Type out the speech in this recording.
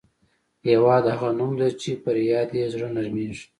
هېواد هغه نوم دی چې پر یاد یې زړه نرميږي.